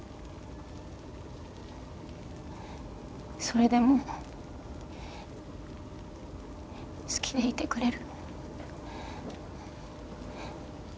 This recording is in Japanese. それでも好きでいてくれる？